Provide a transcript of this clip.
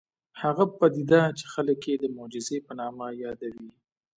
هغه پدیده چې خلک یې د معجزې په نامه یادوي